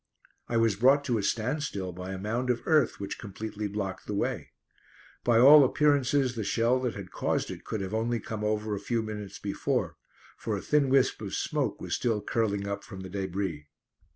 I was brought to a standstill by a mound of earth which completely blocked the way. By all appearances the shell that had caused it could have only come over a few minutes before, for a thin wisp of smoke was still curling up from the débris.